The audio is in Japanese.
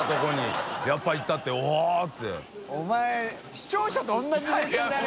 視聴者と同じ目線だね。